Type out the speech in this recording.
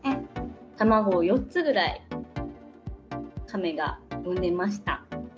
卵を４つぐらい、カメが産んでました。